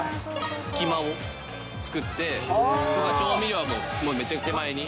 隙間を作って、僕は調味料はめちゃ手前に。